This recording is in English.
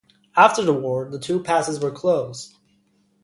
After the war the two passes were closed.